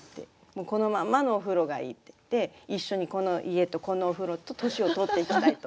このまんまのお風呂がいいって言って一緒にこの家とこのお風呂と年を取っていきたいと。